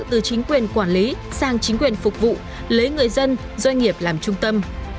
từ chính quyền quản lý sang chính quyền phục vụ lấy người dân doanh nghiệp làm trung tâm